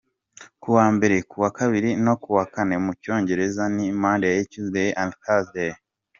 Kuwa mbere, kuwa kabiri no kuwa kane mu cyongereza ni : Monday , Tuesday and Thursaday.